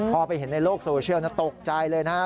พอไปเห็นในโลกโซเชียลตกใจเลยนะครับ